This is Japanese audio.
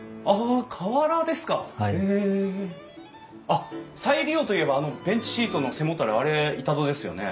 あっ再利用といえばあのベンチシートの背もたれあれ板戸ですよね？